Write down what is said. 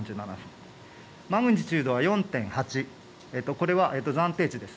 マグニチュードは４．８、これは暫定値です。